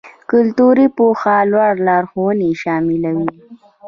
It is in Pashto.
کلتوري پوهه لوړ لارښوونې شاملوي.